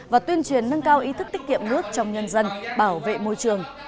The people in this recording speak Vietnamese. và tuyên truyền nâng cao ý thức tiết kiệm nước trong nhân dân bảo vệ môi trường